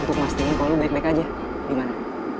untuk mastiin kalau lo baik baik aja gimana